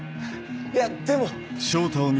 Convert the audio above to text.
いやでも。